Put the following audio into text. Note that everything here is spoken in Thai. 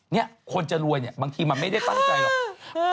เนี่ยคนจะรวยเนี่ยบางทีมันไม่ได้ตั้งใจหรอก